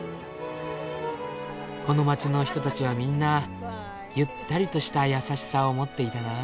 この街の人たちはみんなゆったりとした優しさを持っていたなあ。